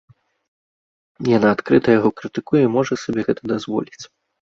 Яна адкрыта яго крытыкуе і можа сабе гэта дазволіць.